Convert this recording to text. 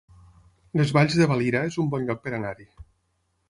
Les Valls de Valira es un bon lloc per anar-hi